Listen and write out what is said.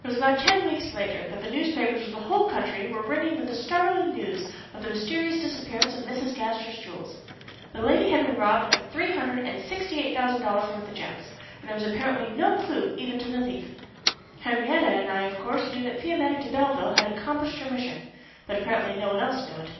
It was about ten weeks later that the newspapers of the whole country were ringing with the startling news of the mysterious disappearance of Mrs. Gaster's jewels. The lady had been robbed of three hundred and sixty eight thousand dollars worth of gems, and there was apparently no clew even to the thief. Henriette and I, of course, knew that Fiametta de Belleville had accomplished her mission, but apparently no one else knew it.